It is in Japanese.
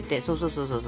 そうそうそう。